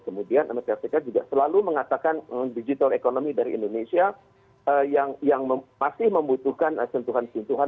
kemudian amerika serikat juga selalu mengatakan digital economy dari indonesia yang masih membutuhkan sentuhan sentuhan